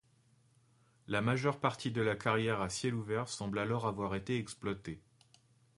La majeure partie de la carrière à ciel ouvert semble alors avoir été exploitée.